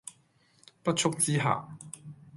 不速之客